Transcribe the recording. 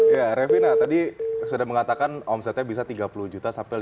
ya revina tadi sudah mengatakan omsetnya bisa tiga puluh juta sampai lima puluh